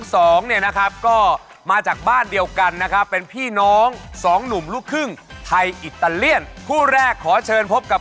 ขอต้อนรับก็สู่รายการที่หวานที่สุดในโลกนะครับ